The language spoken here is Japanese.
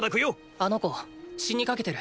あの子死にかけてる。